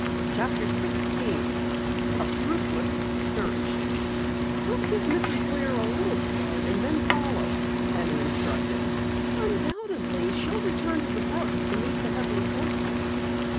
CHAPTER 16 A FRUITLESS SEARCH "We'll give Mrs. Lear a little start and then follow," Penny instructed. "Undoubtedly she'll return to the brook to meet the Headless Horseman."